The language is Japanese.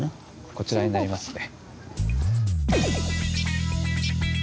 こちらになりますね。